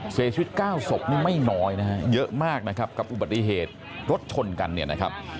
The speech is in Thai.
เสียชีวิต๙ศพนี่ไม่น้อยนะฮะเยอะมากนะครับกับอุบัติเหตุรถชนกันเนี่ยนะครับ